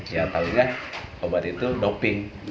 ya tahunya obat itu doping